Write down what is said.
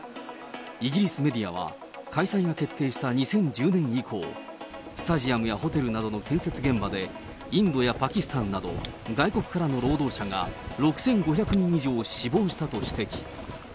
イギリスメディアは開催が決定した２０１０年以降、スタジアムやホテルなどの建設現場で、インドやパキスタンなど、外国からの労働者が６５００人以上死亡したと指摘。